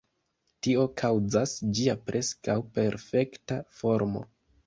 Tio kaŭzas ĝia preskaŭ perfekta formo.